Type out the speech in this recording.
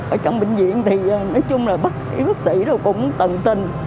ở trong bệnh viện thì nói chung là bác sĩ bác sĩ đều cũng tận tình